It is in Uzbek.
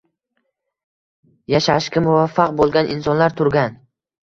yashashga muvaffaq bo‘lgan insonlar turgan.